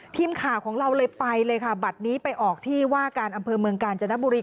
ทีมข่าวของเราเลยไปเลยค่ะบัตรนี้ไปออกที่ว่าการอำเภอเมืองกาญจนบุรี